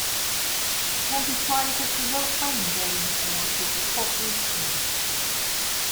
It can be played as a role-playing game or a tabletop war game.